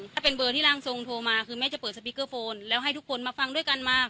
ถ้าเป็นเบอร์ที่ร่างทรงโทรมาคือแม่จะเปิดสปีกเกอร์โฟนแล้วให้ทุกคนมาฟังด้วยกันมา